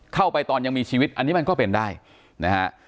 เข้าไปตอนยังมีชีวิตอันนี้มันก็เป็นได้นะฮะ